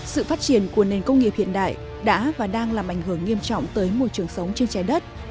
sự phát triển của nền công nghiệp hiện đại đã và đang làm ảnh hưởng nghiêm trọng tới môi trường sống trên trái đất